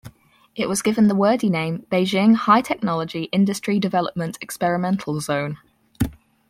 It was given the wordy name Beijing High-Technology Industry Development Experimental Zone.